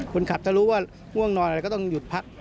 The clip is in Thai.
คนขับจะรู้ว่าม่วงนอนแต่ก็ต้องหยุดพัก